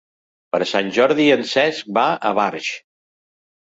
Per Sant Jordi en Cesc va a Barx.